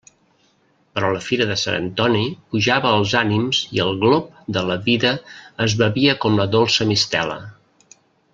Però la fira de Sant Antoni pujava els ànims i el glop de la vida es bevia com la dolça mistela.